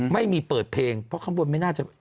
ไม่มีเปิดเพลงเพราะข้างบนไม่น่าจะ